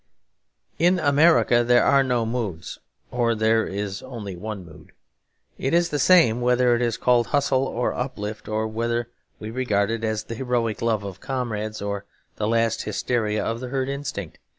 In America there are no moods, or there is only one mood. It is the same whether it is called hustle or uplift; whether we regard it as the heroic love of comrades or the last hysteria of the herd instinct.